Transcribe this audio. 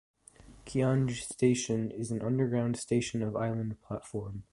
Qiange station is an underground station of island platform.